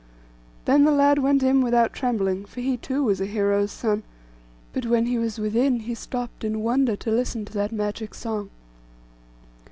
Then the lad went in without trembling, for he too was a hero's son; but when he was within, he stopped in wonder to listen to that magic song.